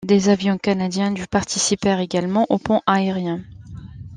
Des avions canadiens du participèrent également au pont aérien.